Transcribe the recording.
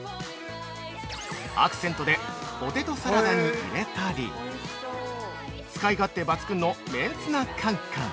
アクセントでポテトサラダに入れたり使い勝手抜群のめんツナかんかん。